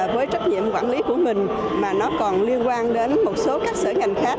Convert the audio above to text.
với trách nhiệm quản lý của mình mà nó còn liên quan đến một số các sở ngành khác